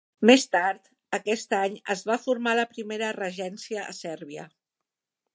Més tard, aquest any es va formar "la primera regència" a Sèrbia.